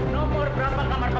nomor berapa kamar kamar kamu